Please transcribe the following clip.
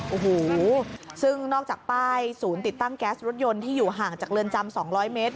โอ้โหซึ่งนอกจากป้ายศูนย์ติดตั้งแก๊สรถยนต์ที่อยู่ห่างจากเรือนจำ๒๐๐เมตร